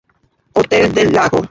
Hotel del Lago